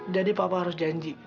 jadi papa harus janji